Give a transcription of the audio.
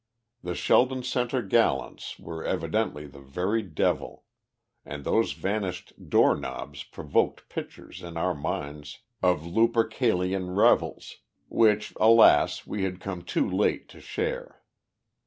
The Sheldon Center gallants were evidently the very devil; and those vanished door knobs provoked pictures in our minds of Lupercalian revels, which, alas! we had come too late to share.